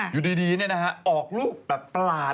อยู่ดีออกรูปแบบประหลาด